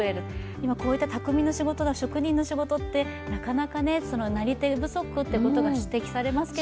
今、こういった匠の仕事職人の仕事ってなかなか、なり手不足ということが指摘されますけど。